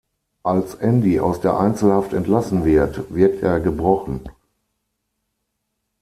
Als Andy aus der Einzelhaft entlassen wird, wirkt er gebrochen.